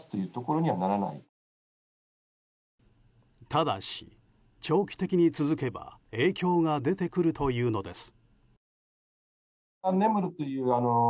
ただし、長期的に続けば影響が出てくるというのです。